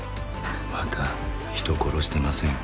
また人殺してませんか？